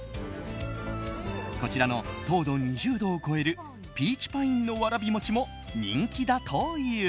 こちらの糖度２０度を超えるピーチパインのわらび餅も人気だという。